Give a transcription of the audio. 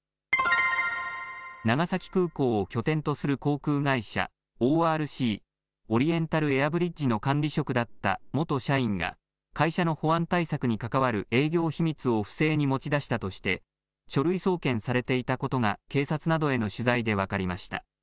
長崎空港を拠点とする航空会社、ＯＲＣ・オリエンタルエアブリッジの管理職だった元社員が会社の保安対策に関わる営業秘密を不正に持ち出したとして書類送検されていたことが警察などへの取材で分かりました。